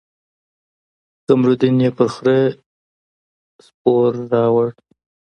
قمرالدين يې په خره سور راوړو.